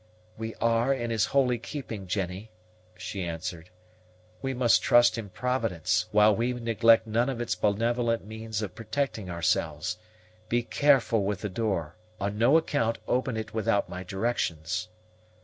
"We are in His holy keeping, Jennie," she answered. "We must trust in Providence, while we neglect none of its benevolent means of protecting ourselves. Be careful with the door; on no account open it without my directions."